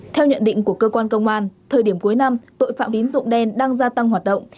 theo nhận định của cơ quan công an thời điểm cuối năm tội phạm tín dụng đen đang gia tăng hoạt động